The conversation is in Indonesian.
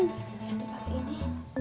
gitu pake ini